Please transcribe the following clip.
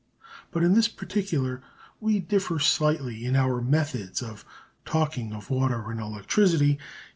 But in this particular we differ slightly in our methods of talking of water and electricity.